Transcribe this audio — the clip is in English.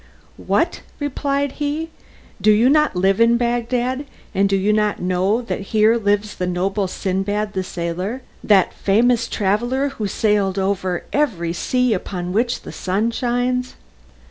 "What," replied he, "do you live in Bagdad, and not know that here lives the noble Sindbad the Sailor, that famous traveller who sailed over every sea upon which the sun shines?"